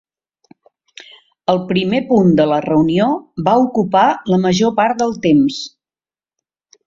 El primer punt de la reunió va ocupar la major part del temps.